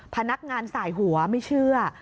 พนักงานสายหัวไม่เชื่อ